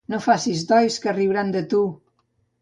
No facis dois, que es riuran de tu!